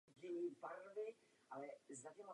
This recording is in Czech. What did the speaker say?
Ani další majitelé Vranova nebyli katolíci.